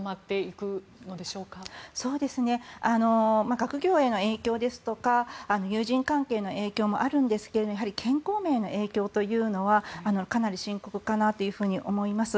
学業への影響ですとか友人関係の影響もあるんですが健康面への影響というのはかなり深刻かなと思います。